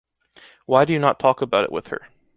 Why do you not talk about it with her?